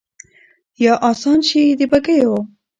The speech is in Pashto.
یا آسان شي د بګیو